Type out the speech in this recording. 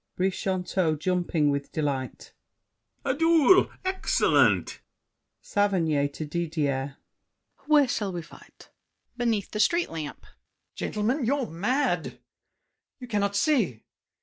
BRICHANTEAU (jumping with delight). A duel—excellent! SAVERNY (to Didier). Where shall we fight? DIDIER. Beneath the street lamp. GASSÉ. Gentlemen, you're mad! You cannot see.